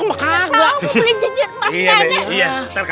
nggak tahu mau beliin cincin emas nek